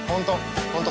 本当。